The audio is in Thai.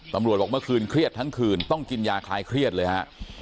บอกเมื่อคืนเครียดทั้งคืนต้องกินยาคลายเครียดเลยฮะ